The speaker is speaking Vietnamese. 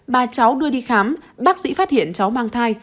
bà cháu đưa đi khám bác sĩ phát hiện cháu mang thai